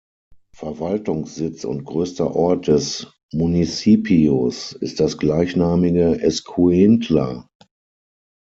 Verwaltungssitz und größter Ort des Municipios ist das gleichnamige Escuintla.